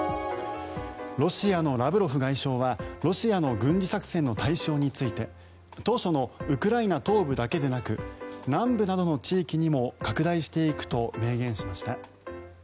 ロシアのラブロフ外相はロシアの軍事作戦の対象について当初のウクライナ東部だけでなく南部などの地域にも拡大していくと明言しました。